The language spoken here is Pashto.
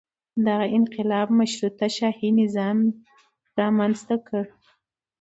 دغه انقلاب مشروطه شاهي نظام یې رامنځته کړ.